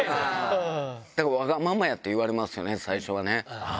だから、わがままやって言われますよね、最初はね。